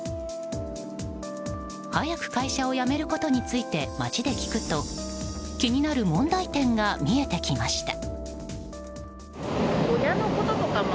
早く会社を辞めることについて街で聞くと気になる問題点が見えてきました。